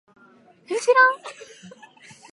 うしろ！